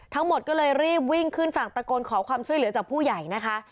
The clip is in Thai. ทั้งหมดก็เลยรีบวิ่งขึ้นฝั่งตะโกนขอความช่วยเหลือจากผู้ใหญ่นะคะ